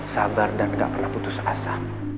sabar dan gak pernah putus asa